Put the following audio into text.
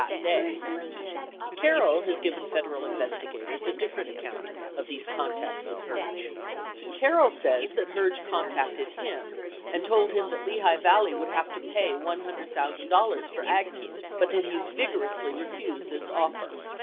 483 Carroll has given Federal investigators a different account of these contacts with Herge. 89 Carroll says that Herge contacted him and told him Lehigh Valley would have to pay $100,000 for Agnew but that he "vigorously" refused this offer.